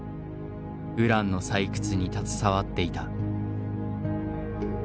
ウランの採掘に携わっていた。